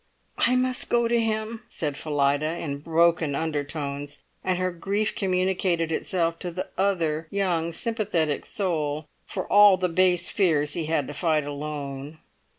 "I must go to him!" said Phillida in broken undertones, and her grief communicated itself to the other young sympathetic soul, for all the base fears he had to fight alone.